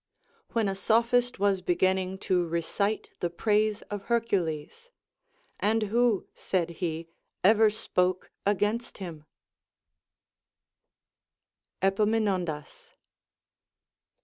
When a Sophist was beginning to recite the praise of Hercules ; And who, said he, ever spoke against him ] Epaminondas.